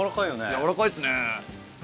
やわらかいですね！